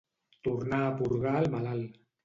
Tornar a purgar el malalt.